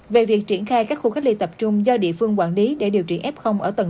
về việc triển khai các khu cách ly tập trung do địa phương quản lý để điều trị f ở tầng hai